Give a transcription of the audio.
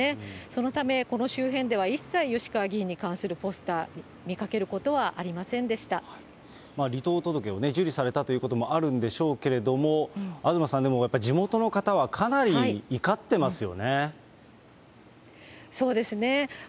そのため、この周辺では一切、吉川議員に関するポスター、離党届を受理されたということもあるんでしょうけれども、東さん、でもやっぱり地元の方は、そうですね。